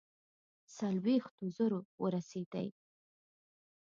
څلوېښتو زرو ورسېدی.